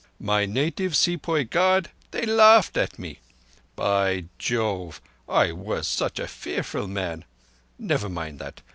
My native sepoy guard, they laughed at me! By Jove! I was such a fearful man. Nevar mind thatt.